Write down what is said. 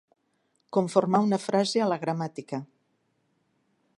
Conformar una frase a la gramàtica.